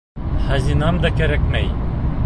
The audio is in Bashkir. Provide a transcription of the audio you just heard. Хазинам да кәрәкмәй.